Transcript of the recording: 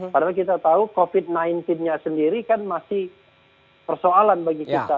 padahal kita tahu covid sembilan belas nya sendiri kan masih persoalan bagi kita